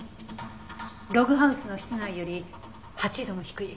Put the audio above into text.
ログハウスの室内より８度も低い。